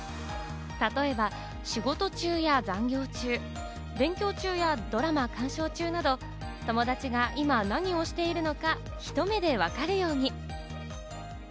例えば仕事中や残業中、勉強中やドラマ鑑賞中など、友達が今、何をしているのかひと目でわかるように。